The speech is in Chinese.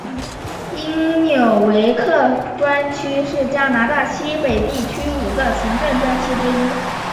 因纽维克专区是加拿大西北地区五个行政专区之一。